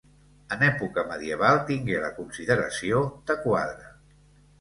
En època medieval, tingué la consideració de quadra.